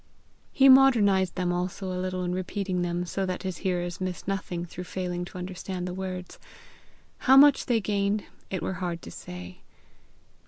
He modernized them also a little in repeating them, so that his hearers missed nothing through failing to understand the words: how much they gained, it were hard to say.